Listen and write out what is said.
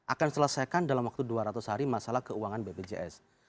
akan selesaikan dalam waktu dua ratus hari masalah keuangan bpjs